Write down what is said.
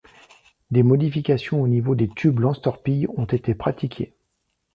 Des modifications au niveau des tubes lance-torpilles ont été pratiquées.